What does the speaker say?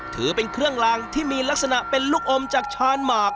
ถือเป็นเครื่องลางที่มีลักษณะเป็นลูกอมจากชานหมาก